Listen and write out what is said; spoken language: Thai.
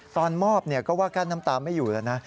ตอนมอบก็ว่ากั้นน้ำตาไม่อยู่แล้วนะ